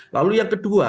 lalu yang kedua